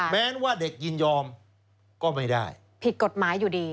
แม้ว่าเด็กยินยอมก็ไม่ได้